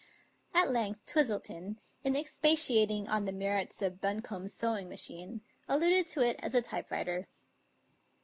At length Twistleton, in expatiating on the merits of Buncombe's sewing machine, alluded to it as a typewriter.